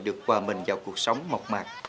được hòa mình vào cuộc sống mộc mạc